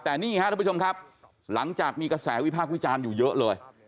แต่นี่ฮะทุกผู้ชมครับหลังจากมีกระแสวิพากษ์วิจารณ์อยู่เยอะเลย